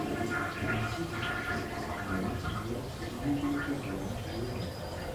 Ein zusätzliches Instrument würde zu unnötiger Verwirrung führen.